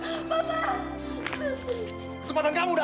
saya gak mau lihat lagi bapak kamu pergi kamu sendiri